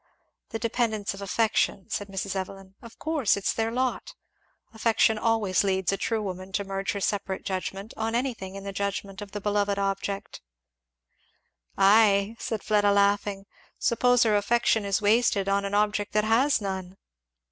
"The dependence of affection," said Mrs. Evelyn. "Of course! It's their lot. Affection always leads a true woman to merge her separate judgment, on anything, in the judgment of the beloved object." "Ay," said Fleda laughing, "suppose her affection is wasted on an object that has none?"